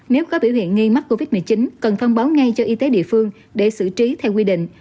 nếu có biểu hiện nghi mắc covid một mươi chín cần thông báo ngay cho y tế địa phương để xử trí theo quy định